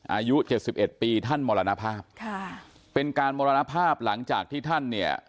อายุเจ็ดสิบเอ็ดปีท่านมรณภาพค่ะเป็นการมรณภาพหลังจากที่ท่านเนี่ย